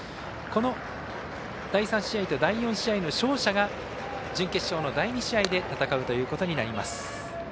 この第３試合と第４試合の勝者が準決勝の第２試合で戦うということになります。